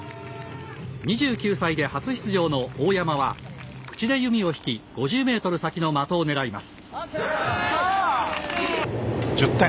２９歳で初出場の大山は口で弓を引き５０ｍ先の的を狙います。